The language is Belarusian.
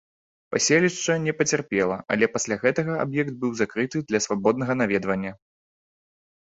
Паселішча не пацярпела, але пасля гэтага аб'ект быў закрыты для свабоднага наведвання.